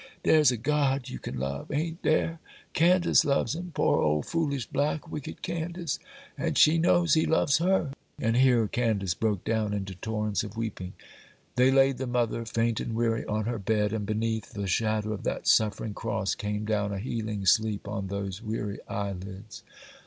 Dar's a God you can love, a'n't dar? Candace loves Him,—poor, ole, foolish, black, wicked Candace,—and she knows He loves her,'—and here Candace broke down into torrents of weeping. They laid the mother, faint and weary, on her bed, and beneath the shadow of that suffering cross came down a healing sleep on those weary eyelids.